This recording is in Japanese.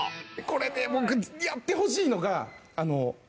これね僕やってほしいのが。